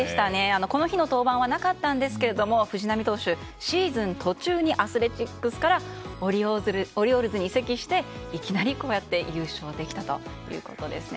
この日の登板はなかったんですけども藤浪投手、シーズン途中にアスレチックスからオリオールズに移籍していきなり、こうやって優勝できたということですね。